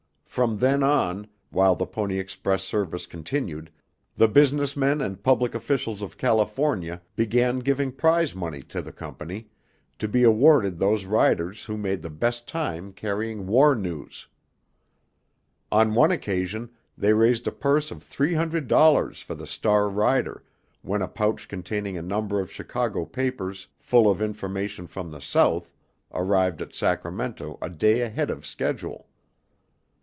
From then on, while the Pony Express service continued, the business men and public officials of California began giving prize money to the Company, to be awarded those riders who made the best time carrying war news. On one occasion they raised a purse of three hundred dollars for the star rider when a pouch containing a number of Chicago papers full of information from the South arrived at Sacramento a day ahead of schedule.